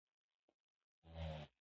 په ما ډکي خزانې دي لوی بانکونه